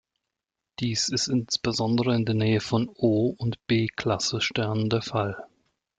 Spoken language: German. Dies ist insbesondere in der Nähe von O- und B-Klasse Sternen der Fall.